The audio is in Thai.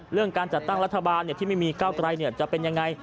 เรื่องการจัดตั้งรัฐบาลที่ไม่มีก้าวไกลจะเป็นยังไง